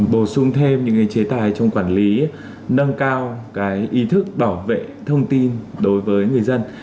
bổ sung thêm những chế tài trong quản lý nâng cao ý thức bảo vệ thông tin đối với người dân